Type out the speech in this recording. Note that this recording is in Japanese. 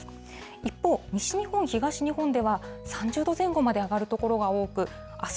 一方、西日本、東日本では、３０度前後まで上がる所が多く、あす、